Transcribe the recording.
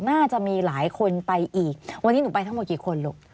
น่าจะมีหลายคนไปอีกวันนี้หนูไปทั้งหมดกี่คนลูก